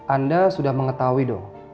anda sudah mengetahui dong